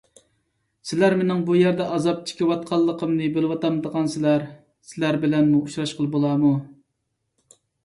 سىلەر مېنىڭ بۇ يەردە ئازاب چېكىۋاتقانلىقىمنى بىلىۋاتامدىغانسىلەر؟ سىلەر بىلەنمۇ ئۇچراشقىلى بولارمۇ؟